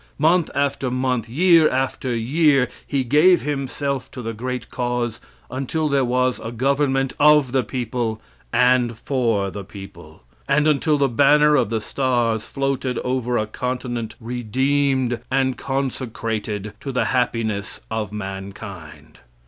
Month after month, year after year, he gave himself to the great cause, until there was "a government of the people and for the people," and until the banner of the stars floated over a continent redeemed and consecrated to the happiness of mankind.